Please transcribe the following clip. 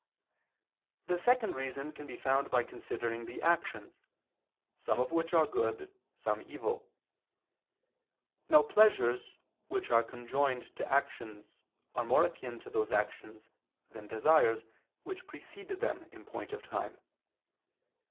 The second reason can be found by considering the actions, some of which are good, some evil. Now pleasures which are conjoined to actions are more akin to those actions, than desires, which precede them in point of time.